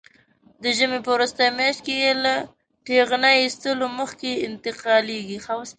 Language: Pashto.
د ژمي په وروستۍ میاشت کې له ټېغنې ایستلو مخکې انتقالېږي.